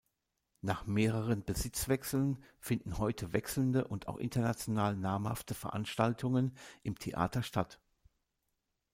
Nach mehreren Besitzwechseln finden heute wechselnde und auch international namhafte Veranstaltungen im Theater statt.